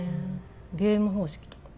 ゲーム方式とか？